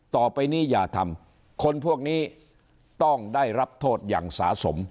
ต่อไปนี้อย่าทำคนพวกนี้ต้องได้รับโทษอย่างสะสม